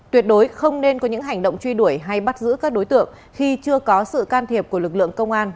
tuyệt đối không nên có những hành động truy đuổi hay bắt giữ các đối tượng khi chưa có sự can thiệp của lực lượng công an